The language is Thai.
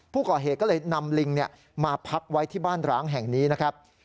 ผู้ก่อเหตุก็เลยนำลิงมาพักไว้ที่บ้านร้างแห่งนี้นะครับ